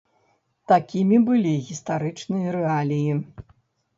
Такімі былі гістарычныя рэаліі.